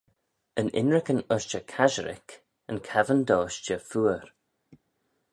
Yn ynrican ushtey casherick yn cappan dy ushtey feayr.